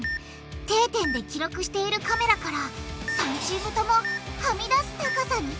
定点で記録しているカメラから３チームともはみ出す高さに到達！